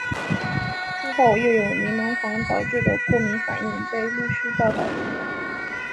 之后又有柠檬黄导致的过敏反应被陆续报道出来。